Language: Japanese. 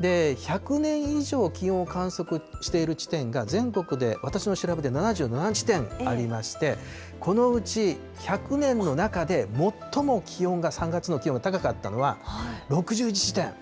１００年以上気温を観測している地点が全国で私の調べで７７地点ありまして、このうち１００年の中で最も気温が３月の気温が高かったのが６１地点。